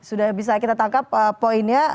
sudah bisa kita tangkap poinnya